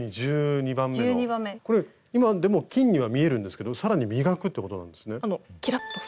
これ今でも金には見えるんですけど更に磨くってことなんですね？